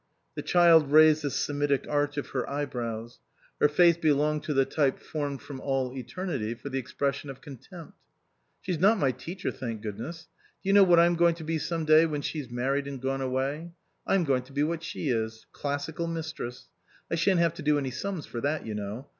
The child raised the Semitic arch of her eye 294 THROUGH THE STETHOSCOPE brows. Her face belonged to the type formed from all eternity for the expression of con tempt. " She's not my teacher, thank goodness. Do you know what I'm going to be some day, when she's married and gone away ? I'm going to be what she is Classical Mistress. I shan't have to do any sums for that, you know.